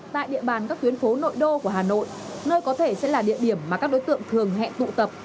tại địa bàn các tuyến phố nội đô của hà nội nơi có thể sẽ là địa điểm mà các đối tượng thường hẹn tụ tập